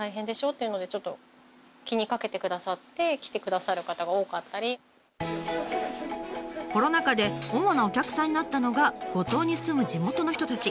そんな中でもうちにこのコロナ禍で主なお客さんになったのが五島に住む地元の人たち。